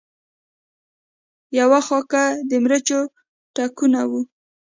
يو خوا کۀ د مچرو ټکونه وو